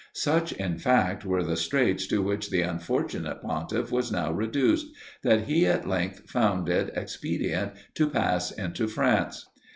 Such in fact were the straits to which the unfortunate pontiff was now reduced, that he at length found it expedient to pass into France.